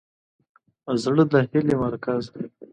زړه د هیلې مرکز دی.